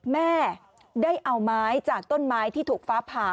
แม่ได้เอาไม้จากต้นไม้ที่ถูกฟ้าผ่า